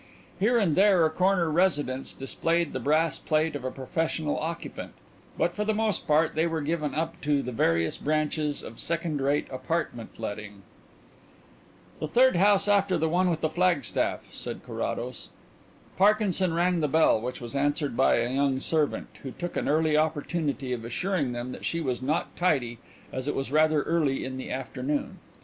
Here and there a corner residence displayed the brass plate of a professional occupant, but for the most part they were given up to the various branches of second rate apartment letting. "The third house after the one with the flagstaff," said Carrados. Parkinson rang the bell, which was answered by a young servant, who took an early opportunity of assuring them that she was not tidy as it was rather early in the afternoon.